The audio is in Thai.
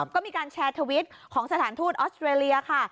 ก็มีการแชร์ทวิตของสถานทูตออสเตรเลียค่ะ